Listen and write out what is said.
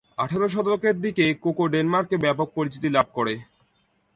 আঠারো শতকের দিকে কোকো ডেনমার্কে ব্যাপক পরিচিতি লাভ করে।